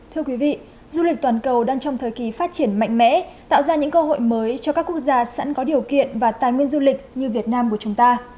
thưa quý vị du lịch toàn cầu đang trong thời kỳ phát triển mạnh mẽ tạo ra những cơ hội mới cho các quốc gia sẵn có điều kiện và tài nguyên du lịch như việt nam của chúng ta